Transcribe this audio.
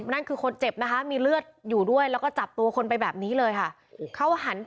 นั่นคือคนเจ็บนะคะมีเลือดอยู่ด้วยแล้วก็จับตัวคนไปแบบนี้เลยค่ะ